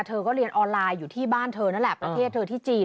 เธอก็เรียนออนไลน์อยู่ที่บ้านเธอนั่นแหละประเทศเธอที่จีน